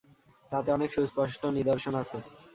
তাতে অনেক সুস্পষ্ট নিদর্শন আছে।